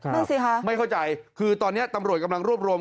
นั่นสิคะไม่เข้าใจคือตอนนี้ตำรวจกำลังรวบรวม